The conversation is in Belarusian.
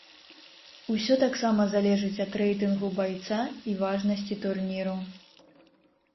Усё таксама залежыць ад рэйтынгу байца і важнасці турніру.